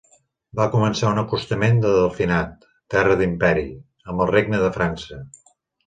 Va començar un acostament del Delfinat, terra d'Imperi, amb el regne de França.